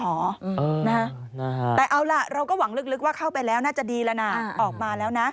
แต่เอาล่ะเราก็หวังลึกว่าเข้าไปแล้วน่าจะดีแล้วนะออกมาแล้วนะ